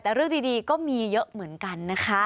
แต่เรื่องดีก็มีเยอะเหมือนกันนะคะ